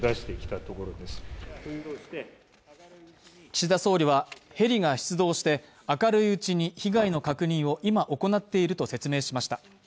岸田総理は、ヘリが出動して明るいうちに被害の確認を今行っていると説明しました。